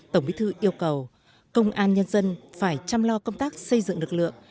tổng bí thư yêu cầu công an nhân dân phải chăm lo công tác xây dựng lực lượng